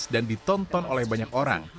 dan ditonton oleh banyak orang